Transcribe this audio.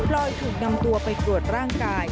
ลอยถูกนำตัวไปตรวจร่างกาย